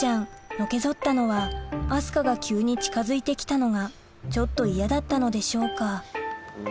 のけ反ったのは明日香が急に近づいて来たのがちょっと嫌だったのでしょうか？